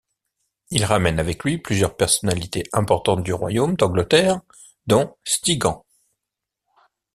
Il ramène avec lui plusieurs personnalités importantes du royaume d'Angleterre, dont Stigand.